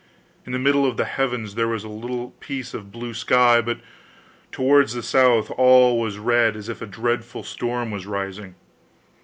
In the middle of the heavens there was a little piece of blue sky, but towards the south all was red, as if a dreadful storm was rising.